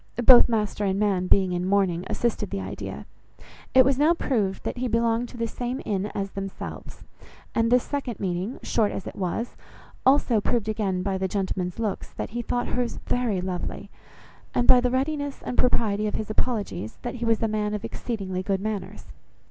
Both master and man being in mourning assisted the idea. It was now proved that he belonged to the same inn as themselves; and this second meeting, short as it was, also proved again by the gentleman's looks, that he thought hers very lovely, and by the readiness and propriety of his apologies, that he was a man of exceedingly good manners.